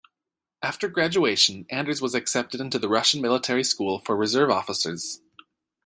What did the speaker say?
After graduation Anders was accepted into the Russian Military School for reserve officers.